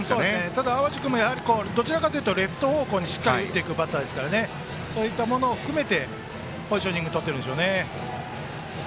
ただ淡路君もどちらかというとレフト方向にしっかり打っていくバッターですからそういったものを含めてポジショニング、取っています。